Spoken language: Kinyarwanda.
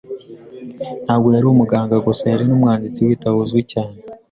Ntabwo yari umuganga gusa, yari n'umwanditsi w'ibitabo uzwi cyane.